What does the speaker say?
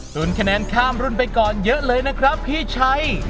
คะแนนข้ามรุ่นไปก่อนเยอะเลยนะครับพี่ชัย